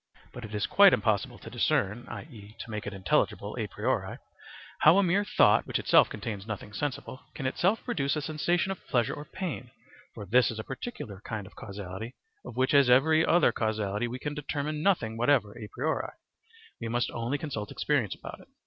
But it is quite impossible to discern, i.e., to make it intelligible a priori, how a mere thought, which itself contains nothing sensible, can itself produce a sensation of pleasure or pain; for this is a particular kind of causality of which as of every other causality we can determine nothing whatever a priori; we must only consult experience about it.